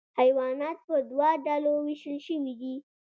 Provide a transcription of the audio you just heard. حیوانات په دوه ډلو ویشل شوي دي